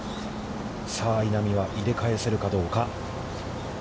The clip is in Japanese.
さあ、稲見は入れ返せるかどうか。